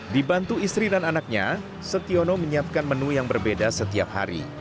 dibantu istri dan anaknya setiono menyiapkan menu yang berbeda setiap hari